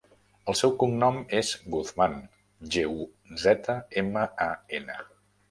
El seu cognom és Guzman: ge, u, zeta, ema, a, ena.